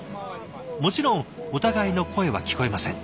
もちろんお互いの声は聞こえません。